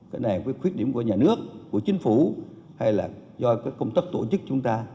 cái này với khuyết điểm của nhà nước của chính phủ hay là do cái công tấp tổ chức chúng ta